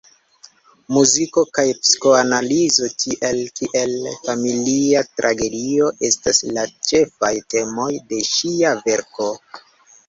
Muziko kaj psikoanalizo, tiel kiel familia tragedio estas la ĉefaj temoj de ŝia verko.